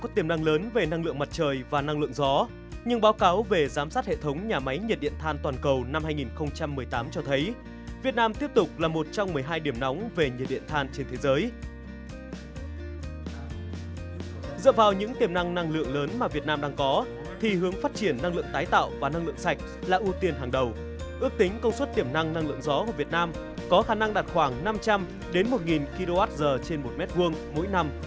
tính công suất tiểm năng năng lượng gió của việt nam có khả năng đạt khoảng năm trăm linh đến một kwh trên một m hai mỗi năm